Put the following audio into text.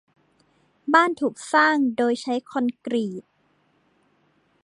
บ้านถูกสร้างโดยใช้คอนกรีต